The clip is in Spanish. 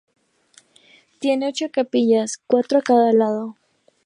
Tiene ocho capillas, cuatro a cada lado.